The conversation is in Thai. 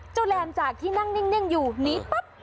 แลมจากที่นั่งนิ่งอยู่หนีปั๊บ